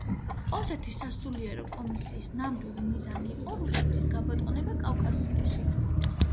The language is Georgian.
ოსეთის სასულიერო კომისიის ნამდვილი მიზანი იყო რუსეთის გაბატონება კავკასიაში.